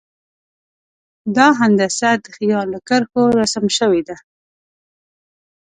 دا هندسه د خیال له کرښو رسم شوې ده.